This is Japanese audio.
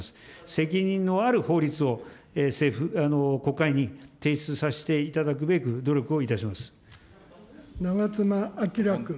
責任のある法律を国会に提出させていただくべく、努力をいたしま長妻昭君。